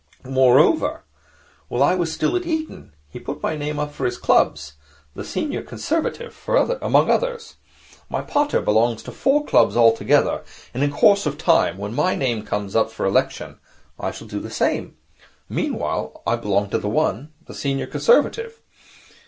Moreover, while I was still at Eton he put my name up for his clubs, the Senior Conservative among others. My pater belongs to four clubs altogether, and in course of time, when my name comes up for election, I shall do the same. Meanwhile, I belong to one, the Senior Conservative.